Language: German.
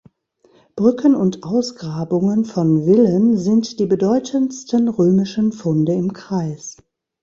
Brücken und Ausgrabungen von Villen sind die bedeutendsten römischen Funde im Kreis.